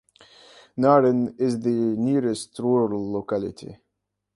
Naryn is the nearest rural locality.